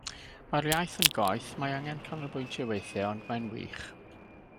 Mae'r iaith yn goeth, mae angen canolbwyntio weithiau ond mae'n wych.